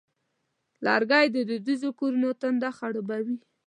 لرګی د دودیزو کورونو تنده خړوبوي.